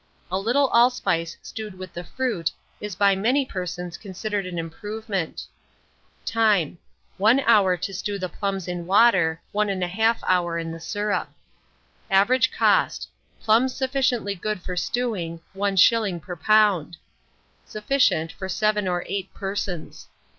A little allspice stewed with the fruit is by many persons considered an improvement. Time. 1 hour to stew the plums in water, 1 1/2 hour in the syrup. Average cost, plums sufficiently good for stewing, 1s. per lb. Sufficient for 7 or 8 persons.